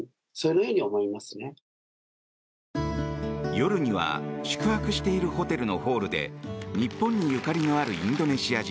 夜には宿泊しているホテルのホールで日本にゆかりのあるインドネシア人